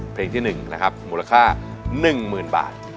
เพลงที่๑นะครับมูลค่า๑๐๐๐บาท